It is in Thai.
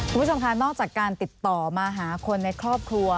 คุณผู้ชมค่ะนอกจากการติดต่อมาหาคนในครอบครัว